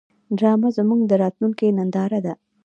ډرامه زموږ د راتلونکي هنداره ده